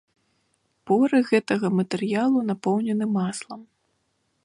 Поры гэтага матэрыялу напоўнены маслам.